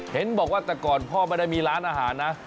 เห็นบอกว่าแต่ก่อนพ่อไม่ได้มีร้านอาหารนะ